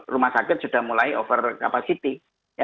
rumah sakit sudah mulai over capacity